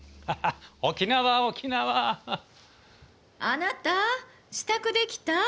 ・あなた支度できた？